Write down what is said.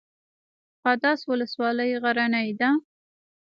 قادس ولسوالۍ غرنۍ ده؟